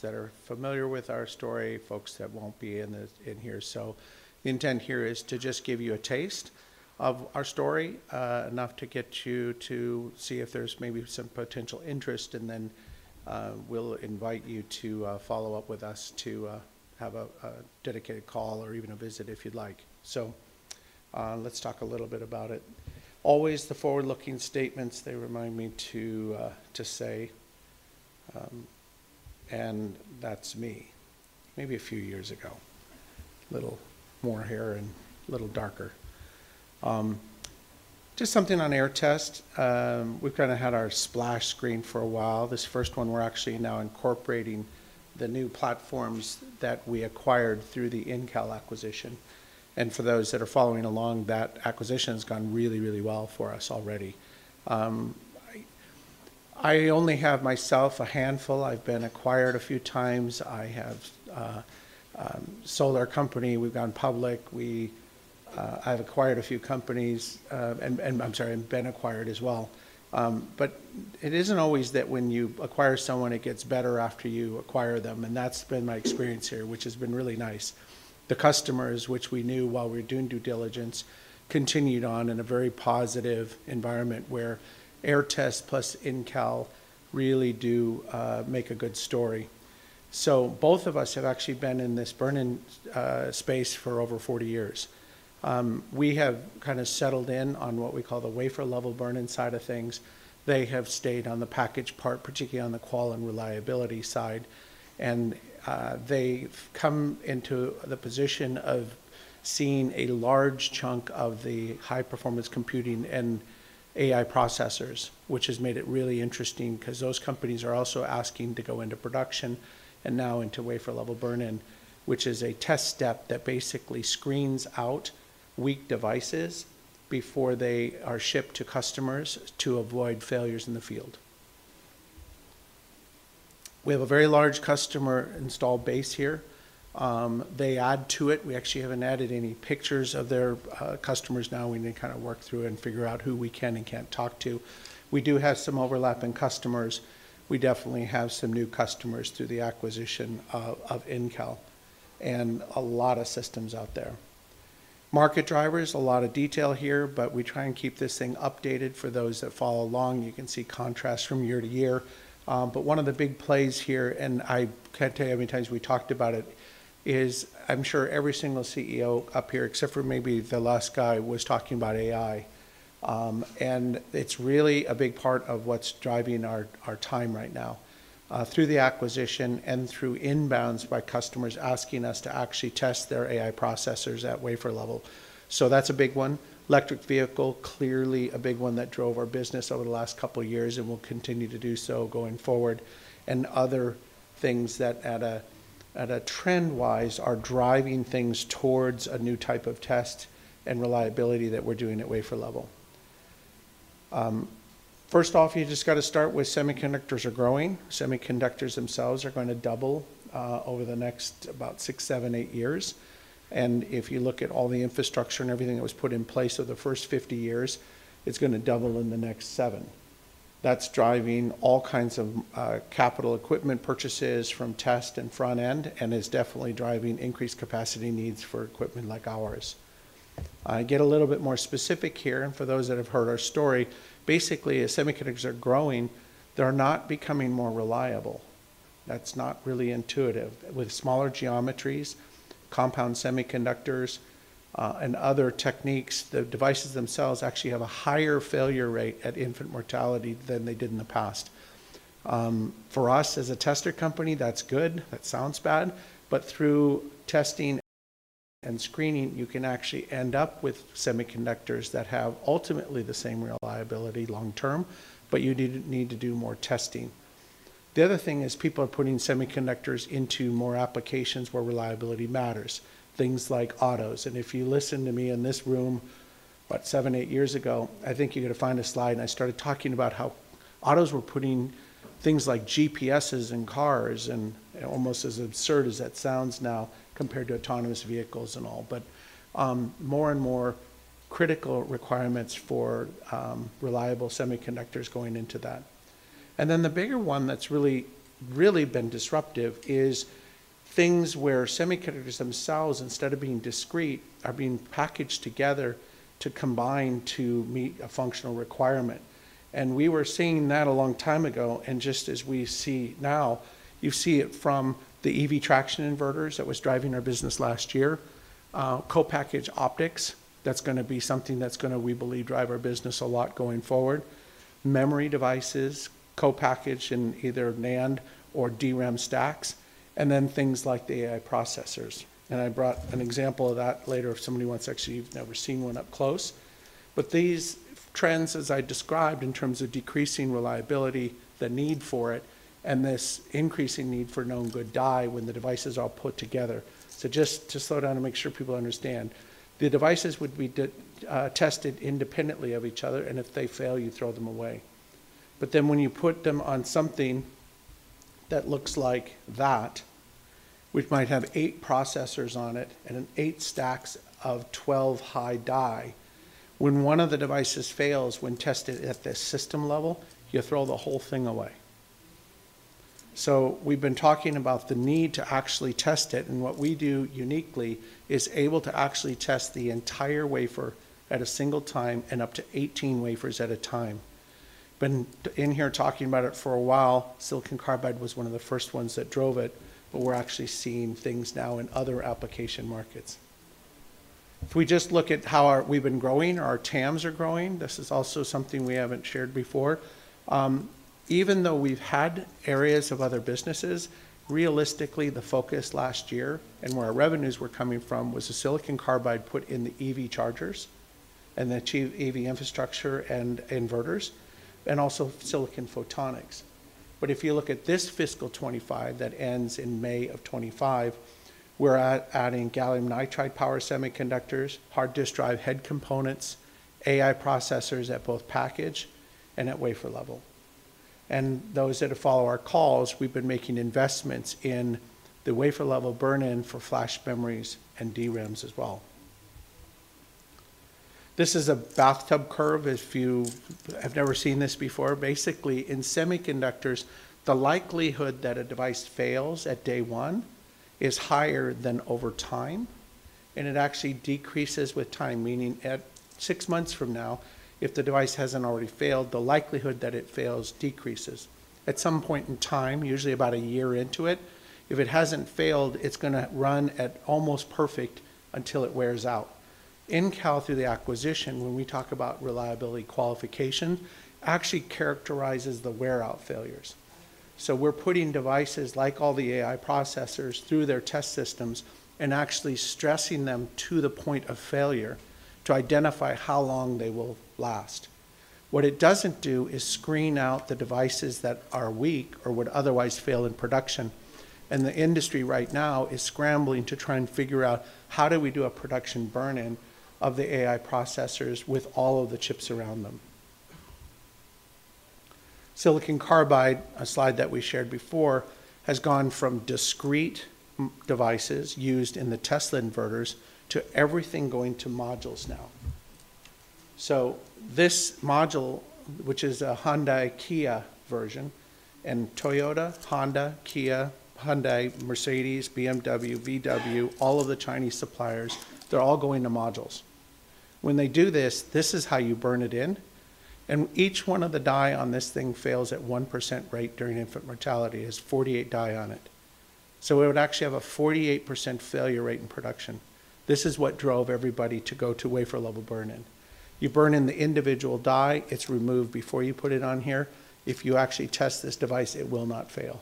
That are familiar with our story, folks that won't be in here. So the intent here is to just give you a taste of our story, enough to get you to see if there's maybe some potential interest, and then we'll invite you to follow up with us to have a dedicated call or even a visit if you'd like. So let's talk a little bit about it. Always the forward-looking statements, they remind me to say, and that's me, maybe a few years ago, a little more hair and a little darker. Just something on Aehr Test. We've kind of had our splash screen for a while. This first one, we're actually now incorporating the new platforms that we acquired through the Incal acquisition. And for those that are following along, that acquisition has gone really, really well for us already. I only have myself a handful. I've been acquired a few times. I have a solar company. We've gone public. I've acquired a few companies, and I'm sorry, been acquired as well. It isn't always that when you acquire someone, it gets better after you acquire them. That's been my experience here, which has been really nice. The customers, which we knew while we were doing due diligence, continued on in a very positive environment where Aehr Test plus Incal really do make a good story. Both of us have actually been in this burn-in space for over 40 years. We have kind of settled in on what we call the wafer-level burn-in side of things. They have stayed on the package part, particularly on the qual and reliability side. They've come into the position of seeing a large chunk of the high-performance computing and AI processors, which has made it really interesting because those companies are also asking to go into production and now into wafer-level burn-in, which is a test step that basically screens out weak devices before they are shipped to customers to avoid failures in the field. We have a very large customer install base here. They add to it. We actually haven't added any pictures of their customers now. We need to kind of work through and figure out who we can and can't talk to. We do have some overlapping customers. We definitely have some new customers through the acquisition of Incal and a lot of systems out there. Market drivers, a lot of detail here, but we try and keep this thing updated for those that follow along. You can see contrast from year to year. But one of the big plays here, and I can't tell you how many times we talked about it, is I'm sure every single CEO up here, except for maybe the last guy, was talking about AI. And it's really a big part of what's driving our time right now, through the acquisition and through inbounds by customers asking us to actually test their AI processors at wafer level. So that's a big one. Electric vehicle, clearly a big one that drove our business over the last couple of years and will continue to do so going forward. And other things that, at a trend-wise, are driving things towards a new type of test and reliability that we're doing at wafer level. First off, you just got to start with semiconductors are growing. Semiconductors themselves are going to double over the next about six, seven, eight years. And if you look at all the infrastructure and everything that was put in place over the first 50 years, it's going to double in the next seven. That's driving all kinds of capital equipment purchases from test and front end and is definitely driving increased capacity needs for equipment like ours. I get a little bit more specific here. And for those that have heard our story, basically, as semiconductors are growing, they're not becoming more reliable. That's not really intuitive. With smaller geometries, compound semiconductors, and other techniques, the devices themselves actually have a higher failure rate at infant mortality than they did in the past. For us, as a tester company, that's good. That sounds bad. But through testing and screening, you can actually end up with semiconductors that have ultimately the same reliability long term, but you need to do more testing. The other thing is people are putting semiconductors into more applications where reliability matters, things like autos. And if you listen to me in this room, what, seven, eight years ago, I think you're going to find a slide. And I started talking about how autos were putting things like GPSs in cars and almost as absurd as that sounds now compared to autonomous vehicles and all, but more and more critical requirements for reliable semiconductors going into that. And then the bigger one that's really, really been disruptive is things where semiconductors themselves, instead of being discrete, are being packaged together to combine to meet a functional requirement. And we were seeing that a long time ago. Just as we see now, you see it from the EV traction inverters that was driving our business last year, co-packaged optics. That's going to be something that's going to, we believe, drive our business a lot going forward. Memory devices, co-packaged in either NAND or DRAM stacks, and then things like the AI processors. I brought an example of that later if somebody wants to actually—you've never seen one up close. These trends, as I described in terms of decreasing reliability, the need for it, and this increasing need for known good die when the devices are put together. Just to slow down and make sure people understand, the devices would be tested independently of each other. If they fail, you throw them away. But then, when you put them on something that looks like that, which might have eight processors on it and eight stacks of 12-high die, when one of the devices fails when tested at the system level, you throw the whole thing away. So we've been talking about the need to actually test it. And what we do uniquely is able to actually test the entire wafer at a single time and up to 18 wafers at a time. Been in here talking about it for a while. Silicon carbide was one of the first ones that drove it, but we're actually seeing things now in other application markets. If we just look at how we've been growing, our TAMs are growing. This is also something we haven't shared before. Even though we've had areas of other businesses, realistically, the focus last year and where our revenues were coming from was the silicon carbide put in the EV chargers and the EV infrastructure and inverters and also silicon photonics. But if you look at this fiscal 2025 that ends in May of 2025, we're adding gallium nitride power semiconductors, hard disk drive head components, AI processors at both package and at wafer level. And those that have followed our calls, we've been making investments in the wafer level burn-in for flash memories and DRAMs as well. This is a bathtub curve. If you have never seen this before, basically, in semiconductors, the likelihood that a device fails at day one is higher than over time. And it actually decreases with time, meaning at six months from now, if the device hasn't already failed, the likelihood that it fails decreases. At some point in time, usually about a year into it, if it hasn't failed, it's going to run at almost perfect until it wears out. Incal, through the acquisition, when we talk about reliability qualification, actually characterizes the wear-out failures. So we're putting devices like all the AI processors through their test systems and actually stressing them to the point of failure to identify how long they will last. What it doesn't do is screen out the devices that are weak or would otherwise fail in production, and the industry right now is scrambling to try and figure out how do we do a production burn-in of the AI processors with all of the chips around them. Silicon carbide, a slide that we shared before, has gone from discrete devices used in the Tesla inverters to everything going to modules now. So this module, which is a Hyundai-Kia version and Toyota, Honda, Kia, Hyundai, Mercedes, BMW, VW, all of the Chinese suppliers, they're all going to modules. When they do this, this is how you burn it in. And each one of the die on this thing fails at 1% rate during infant mortality. There's 48 die on it. So we would actually have a 48% failure rate in production. This is what drove everybody to go to wafer level burn-in. You burn in the individual die. It's removed before you put it on here. If you actually test this device, it will not fail.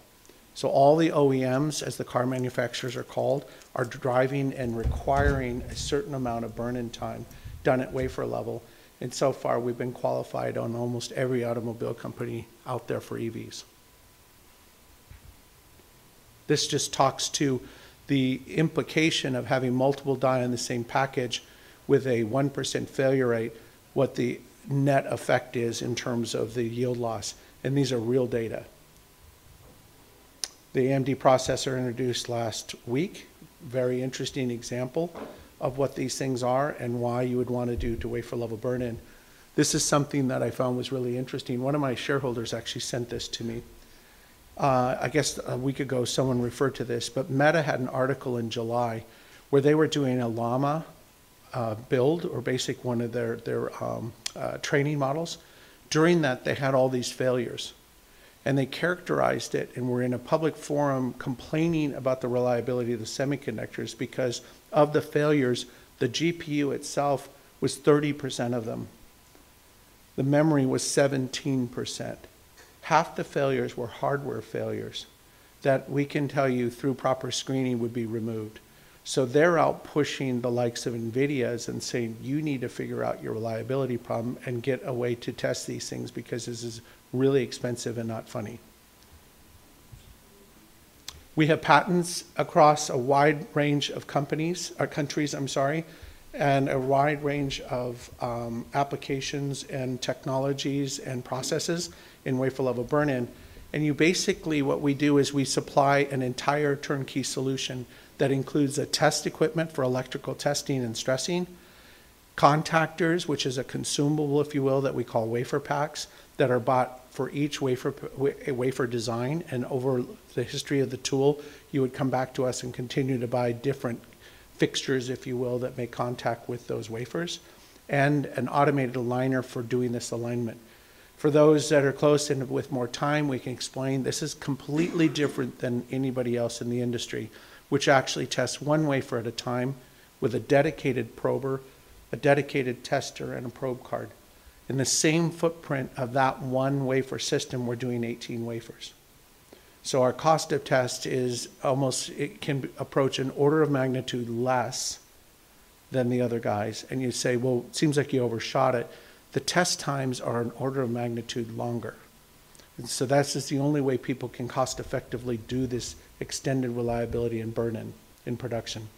So all the OEMs, as the car manufacturers are called, are driving and requiring a certain amount of burn-in time done at wafer level. And so far, we've been qualified on almost every automobile company out there for EVs. This just talks to the implication of having multiple die on the same package with a 1% failure rate, what the net effect is in terms of the yield loss. These are real data. The AMD processor introduced last week, very interesting example of what these things are and why you would want to do wafer-level burn-in. This is something that I found was really interesting. One of my shareholders actually sent this to me. I guess a week ago, someone referred to this, but Meta had an article in July where they were doing a Llama build or basic one of their training models. During that, they had all these failures. They characterized it and were in a public forum complaining about the reliability of the semiconductors because of the failures. The GPU itself was 30% of them. The memory was 17%. Half the failures were hardware failures that we can tell you through proper screening would be removed. So they're out pushing the likes of NVIDIA's and saying, "You need to figure out your reliability problem and get a way to test these things because this is really expensive and not funny." We have patents across a wide range of companies or countries, I'm sorry, and a wide range of applications and technologies and processes in wafer-level burn-in. And basically, what we do is we supply an entire turnkey solution that includes a test equipment for electrical testing and stressing, contactors, which is a consumable, if you will, that we call WaferPaks that are bought for each wafer design. Over the history of the tool, you would come back to us and continue to buy different fixtures, if you will, that make contact with those wafers and an automated aligner for doing this alignment. For those that are close and with more time, we can explain this is completely different than anybody else in the industry, which actually tests one wafer at a time with a dedicated prober, a dedicated tester, and a probe card. In the same footprint of that one wafer system, we're doing 18 wafers. Our cost of test is almost, it can approach an order of magnitude less than the other guys. You say, "Well, it seems like you overshot it." The test times are an order of magnitude longer. That's just the only way people can cost-effectively do this extended reliability and burn-in in production.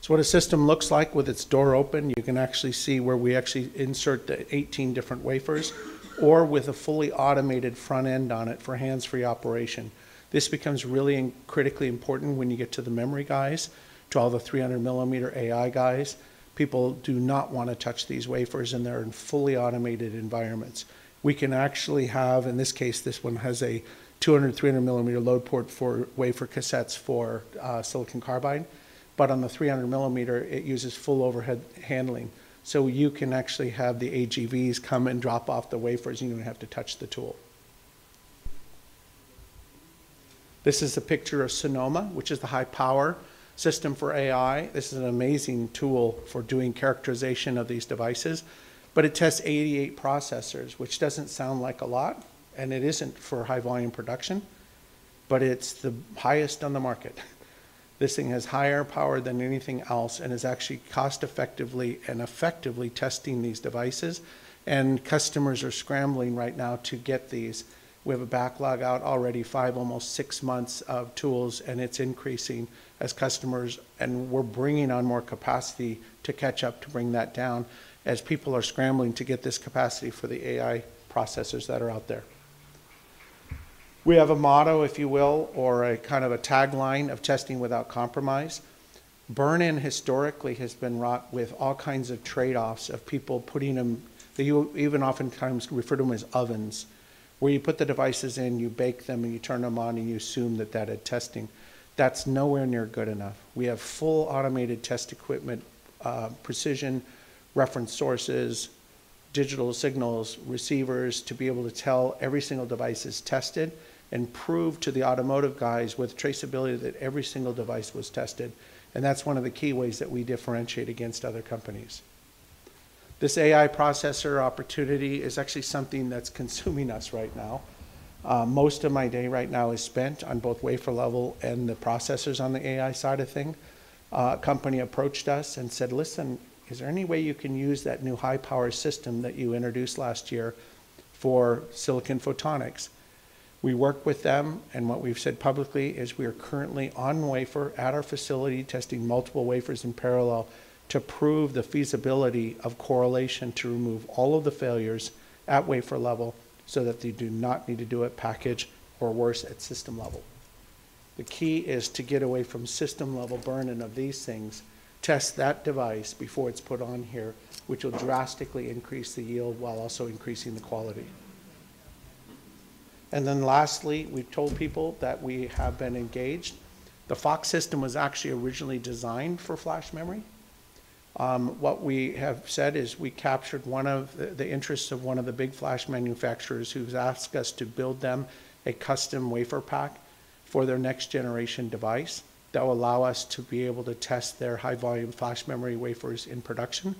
So what a system looks like with its door open, you can actually see where we actually insert the 18 different wafers or with a fully automated front end on it for hands-free operation. This becomes really critically important when you get to the memory guys, to all the 300-millimeter AI guys. People do not want to touch these wafers in their fully automated environments. We can actually have, in this case, this one has a 200, 300-mm load port for wafer cassettes for silicon carbide. But on the 300-mm, it uses full overhead handling. So you can actually have the AGVs come and drop off the wafers. You don't have to touch the tool. This is a picture of Sonoma, which is the high-power system for AI. This is an amazing tool for doing characterization of these devices. But it tests 88 processors, which doesn't sound like a lot, and it isn't for high-volume production, but it's the highest on the market. This thing has higher power than anything else and is actually cost-effectively and effectively testing these devices. And customers are scrambling right now to get these. We have a backlog out already, five, almost six months of tools, and it's increasing as customers and we're bringing on more capacity to catch up to bring that down as people are scrambling to get this capacity for the AI processors that are out there. We have a motto, if you will, or a kind of a tagline of testing without compromise. Burn-in historically has been wrought with all kinds of trade-offs of people putting them. They even oftentimes refer to them as ovens, where you put the devices in, you bake them, and you turn them on, and you assume that that is testing. That's nowhere near good enough. We have full automated test equipment, precision reference sources, digital signals, receivers to be able to tell every single device is tested and prove to the automotive guys with traceability that every single device was tested, and that's one of the key ways that we differentiate against other companies. This AI processor opportunity is actually something that's consuming us right now. Most of my day right now is spent on both wafer level and the processors on the AI side of thing. A company approached us and said, "Listen, is there any way you can use that new high-power system that you introduced last year for Silicon Photonics?" We work with them. And what we've said publicly is we are currently on-wafer at our facility testing multiple wafers in parallel to prove the feasibility of correlation to remove all of the failures at wafer-level so that they do not need to do it at package or worse at system-level. The key is to get away from system-level burn-in of these things, test that device before it's put on here, which will drastically increase the yield while also increasing the quality. And then lastly, we've told people that we have been engaged. The FOX system was actually originally designed for flash memory. What we have said is we captured one of the interests of one of the big flash manufacturers who's asked us to build them a custom WaferPak for their next-generation device that will allow us to be able to test their high-volume flash memory wafers in production.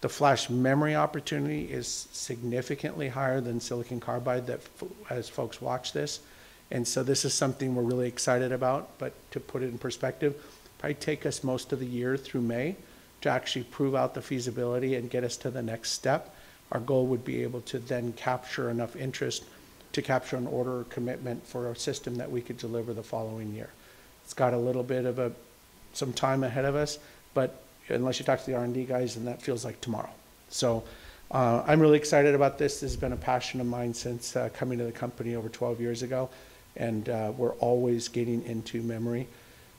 The flash memory opportunity is significantly higher than silicon carbide, that as folks watch this, and so this is something we're really excited about, but to put it in perspective, it probably takes us most of the year through May to actually prove out the feasibility and get us to the next step. Our goal would be able to then capture enough interest to capture an order or commitment for our system that we could deliver the following year. It's got a little bit of some time ahead of us, but unless you talk to the R&D guys, and that feels like tomorrow. So I'm really excited about this. This has been a passion of mine since coming to the company over 12 years ago. And we're always getting into memory.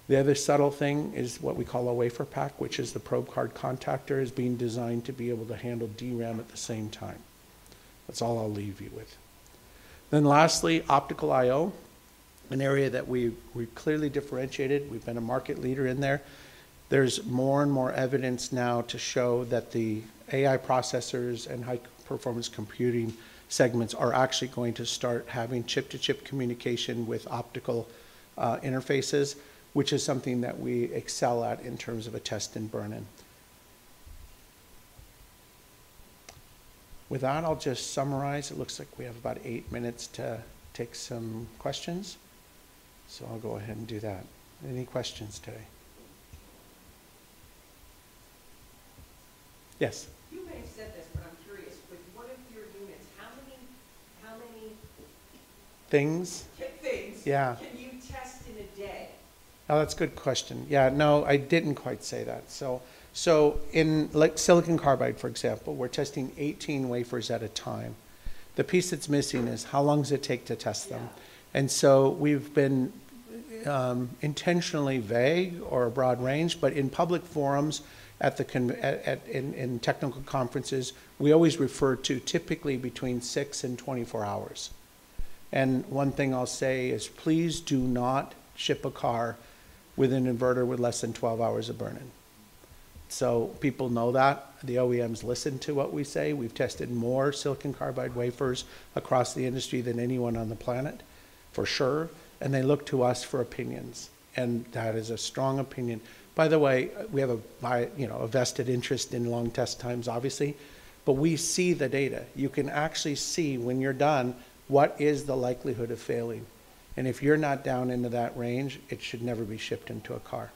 The other subtle thing is what we call a WaferPak, which is the probe card contactor, is being designed to be able to handle DRAM at the same time. That's all I'll leave you with. Then lastly, optical I/O, an area that we've clearly differentiated. We've been a market leader in there. There's more and more evidence now to show that the AI processors and high-performance computing segments are actually going to start having chip-to-chip communication with optical interfaces, which is something that we excel at in terms of a test and burn-in. With that, I'll just summarize. It looks like we have about eight minutes to take some questions. So I'll go ahead and do that. Any questions today? Yes. You may have said this, but I'm curious. With one of your units, how many things can you test in a day? Oh, that's a good question. Yeah. No, I didn't quite say that. So in silicon carbide, for example, we're testing 18 wafers at a time. The piece that's missing is how long does it take to test them? And so we've been intentionally vague or broad range, but in public forums at the technical conferences, we always refer to typically between 6 and 24 hours. And one thing I'll say is please do not ship a car with an inverter with less than 12 hours of burn-in. So people know that. The OEMs listen to what we say. We've tested more silicon carbide wafers across the industry than anyone on the planet, for sure. And they look to us for opinions. And that is a strong opinion. By the way, we have a vested interest in long test times, obviously. But we see the data. You can actually see when you're done what is the likelihood of failing. And if you're not down into that range, it should never be shipped into a car.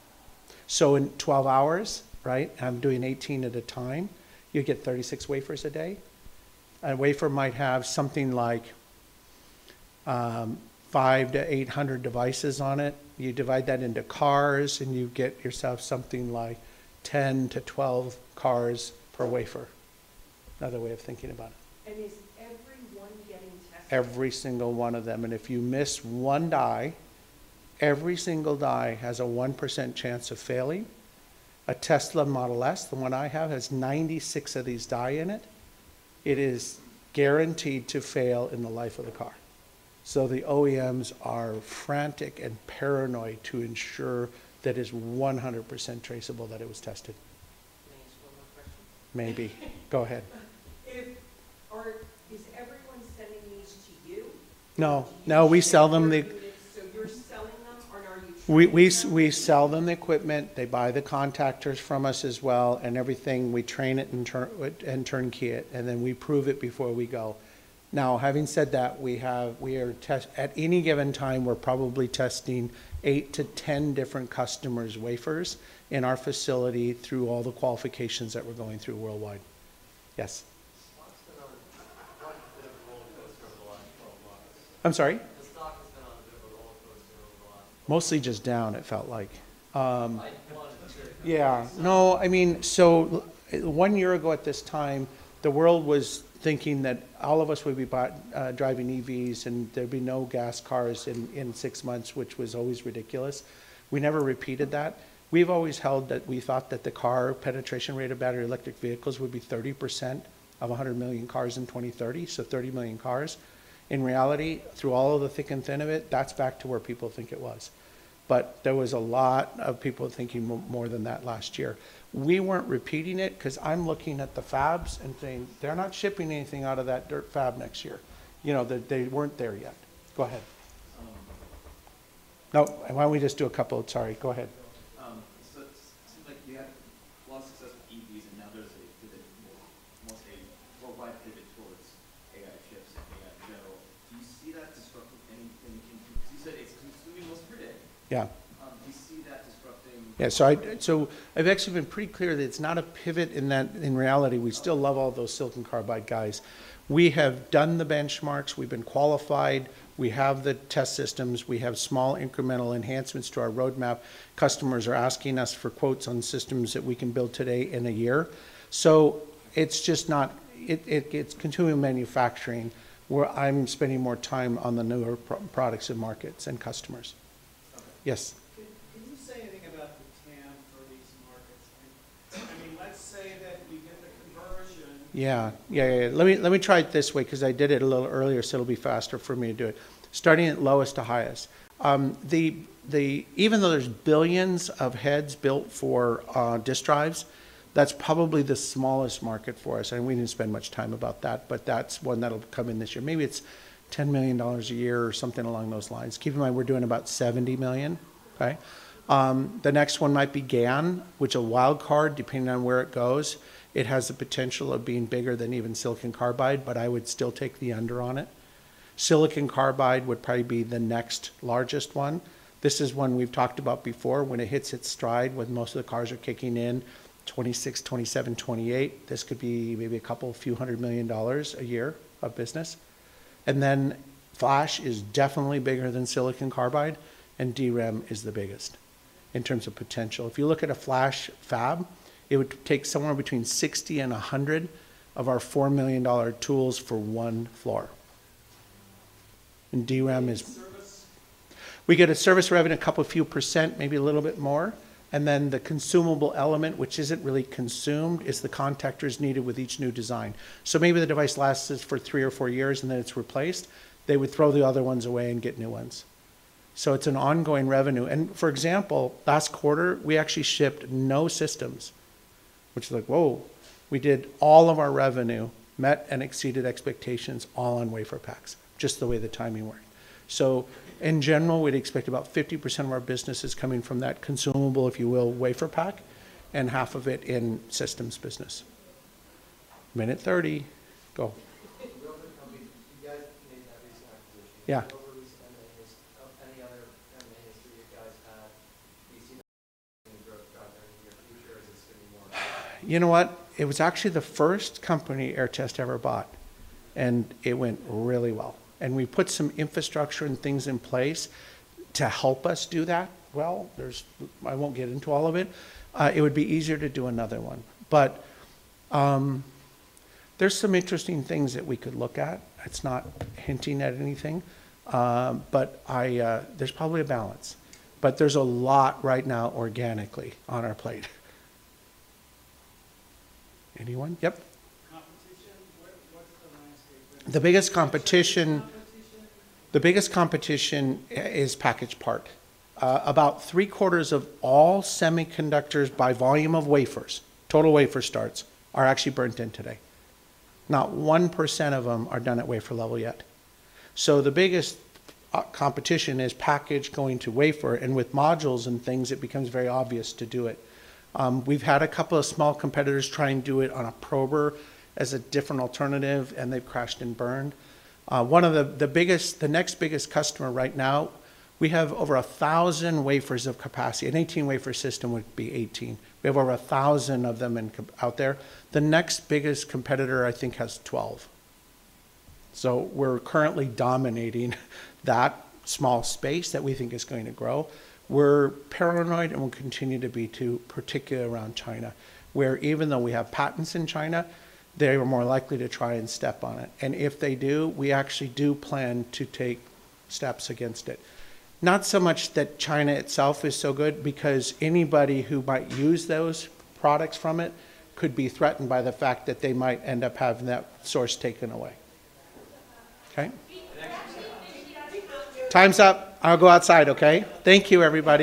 So in 12 hours, right, I'm doing 18 at a time, you get 36 wafers a day. A wafer might have something like five to 800 devices on it. You divide that into cars, and you get yourself something like 10-12 cars per wafer. Another way of thinking about it. And is every one getting tested? Every single one of them. If you miss one die, every single die has a 1% chance of failing. A Tesla Model S, the one I have, has 96 of these die in it. It is guaranteed to fail in the life of the car. So the OEMs are frantic and paranoid to ensure that it is 100% traceable that it was tested. Maybe one more question. Maybe. Go ahead. Is everyone sending these to you? No. No, we sell them the. So you're selling them, or are you training them? We sell them the equipment. They buy the contactors from us as well and everything. We train it and turnkey it. And then we prove it before we go. Now, having said that, we are at any given time, we're probably testing eight to 10 different customers' wafers in our facility through all the qualifications that we're going through worldwide. Yes. The stock's been on a bit of a roller coaster over the last 12 months. I'm sorry? The stock has been on a bit of a roller coaster over the last. Mostly just down, it felt like. Yeah. No, I mean, so one year ago at this time, the world was thinking that all of us would be driving EVs and there'd be no gas cars in six months, which was always ridiculous. We never repeated that. We've always held that we thought that the car penetration rate of battery electric vehicles would be 30% of 100 million cars in 2030, so 30 million cars. In reality, through all of the thick and thin of it, that's back to where people think it was. But there was a lot of people thinking more than that last year. We weren't repeating it because I'm looking at the fabs and saying, "They're not shipping anything out of that dirt fab next year." They weren't there yet. Go ahead. No, why don't we just do a couple? Sorry. Go ahead. So it seems like you had a lot of success with EVs, and now there's a pivot, almost a worldwide pivot towards AI chips and AI in general. Do you see that disrupting anything? Because you said it's consuming most of your day. Do you see that disrupting? Yeah. So I've actually been pretty clear that it's not a pivot in that in reality, we still love all those silicon carbide guys. We have done the benchmarks. We've been qualified. We have the test systems. We have small incremental enhancements to our roadmap. Customers are asking us for quotes on systems that we can build today in a year. So it's just not in consumer manufacturing where I'm spending more time on the newer products and markets and customers. Yes. Can you say anything about the TAM for these markets? I mean, let's say that you get the conversion. Yeah. Yeah, yeah, yeah. Let me try it this way because I did it a little earlier, so it'll be faster for me to do it. Starting at lowest to highest. Even though there's billions of heads built for disk drives, that's probably the smallest market for us, and we didn't spend much time about that, but that's one that'll come in this year. Maybe it's $10 million a year or something along those lines. Keep in mind we're doing about $70 million, okay? The next one might be GaN, which is a wild card, depending on where it goes. It has the potential of being bigger than even silicon carbide, but I would still take the under on it. Silicon carbide would probably be the next largest one. This is one we've talked about before when it hits its stride when most of the cars are kicking in, 2026, 2027, 2028. This could be maybe a couple few hundred million dollars a year of business. And then flash is definitely bigger than silicon carbide, and DRAM is the biggest in terms of potential. If you look at a flash fab, it would take somewhere between 60-100 of our $4 million tools for one floor. And DRAM is. Service? We get a service revenue, a couple few percent, maybe a little bit more. And then the consumable element, which isn't really consumed, is the contactors needed with each new design. So maybe the device lasts for three or four years, and then it's replaced. They would throw the other ones away and get new ones. So it's an ongoing revenue. And for example, last quarter, we actually shipped no systems, which is like, "Whoa." We did all of our revenue, met and exceeded expectations all on WaferPaks, just the way the timing worked. So in general, we'd expect about 50% of our business is coming from that consumable, if you will, WaferPak, and half of it in systems business. Real quick, I mean, you guys made that recent acquisition. Yeah. Over recent M&As. Any other M&As that you guys had? Do you see any growth in your future? Is it going to be more? You know what? It was actually the first company Aehr Test ever bought, and it went really well. We put some infrastructure and things in place to help us do that well. I won't get into all of it. It would be easier to do another one. There's some interesting things that we could look at. It's not hinting at anything, but there's probably a balance. There's a lot right now organically on our plate. Anyone? Yep. Competition? What's the landscape right now? The biggest competition. Competition. The biggest competition is package part. About three quarters of all semiconductors by volume of wafers, total wafer starts, are actually burnt in today. Not 1% of them are done at wafer level yet. So the biggest competition is package going to wafer. With modules and things, it becomes very obvious to do it. We've had a couple of small competitors try and do it on a prober as a different alternative, and they've crashed and burned. One of the next biggest customers right now, we have over 1,000 wafers of capacity. An 18-wafer system would be 18. We have over 1,000 of them out there. The next biggest competitor, I think, has 12. So we're currently dominating that small space that we think is going to grow. We're paranoid, and we'll continue to be too, particularly around China, where even though we have patents in China, they are more likely to try and step on it. And if they do, we actually do plan to take steps against it. Not so much that China itself is so good because anybody who might use those products from it could be threatened by the fact that they might end up having that source taken away. Okay? Thanks. Time's up. I'll go outside, okay? Thank you, everybody.